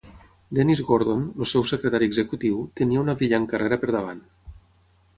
Dennis Gordon, el seu secretari executiu, tenia una brillant carrera per davant.